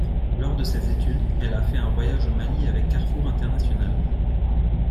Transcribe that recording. Lors de ses études, elle fait un voyage au Mali avec Carrefour International.